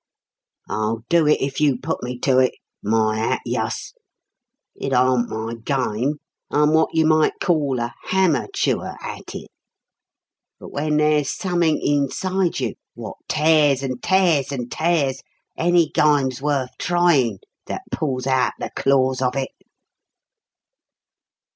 "I'll do it if you put me to it my hat! yuss! It aren't my gime I'm wot you might call a hammer chewer at it, but when there's summink inside you, wot tears and tears and tears, any gime's worth tryin' that pulls out the claws of it."